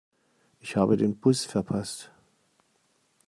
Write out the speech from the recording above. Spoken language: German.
Ich habe den Bus verpasst.